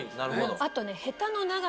あとね。